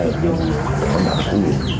tính toán cái khu vực này